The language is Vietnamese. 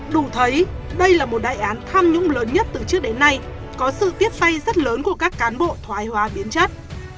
đủ thấy đây là một đại án tham nhũng lớn nhất từ trước đến nay có sự tiếp tay rất lớn của các cán bộ thoái hóa biến chất